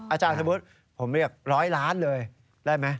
อาจารย์สมมุติผมเรียกร้อยล้านเลยได้ไหม